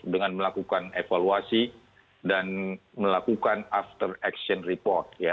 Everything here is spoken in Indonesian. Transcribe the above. dengan melakukan evaluasi dan melakukan after action report